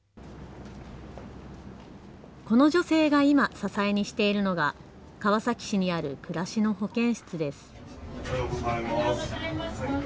この女性が今、支えにしているのが川崎市にある暮らしの保健室です。